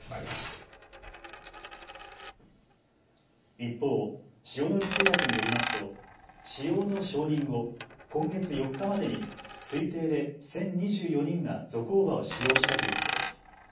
一方、塩野義製薬によりますと使用の承認後、今月４日までに推定で１０２４人がゾコーバを使用したということです。